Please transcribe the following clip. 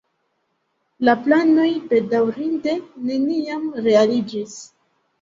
La planoj bedaŭrinde neniam realiĝis.